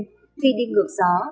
khi đi ngược gió